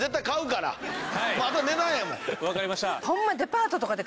わかりました。